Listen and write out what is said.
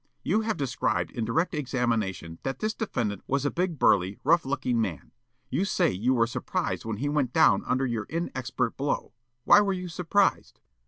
You have described in direct examination that this defendant was a big, burly, rough looking man. You say you were surprised when he went down under your inexpert blow. Why were you surprised?"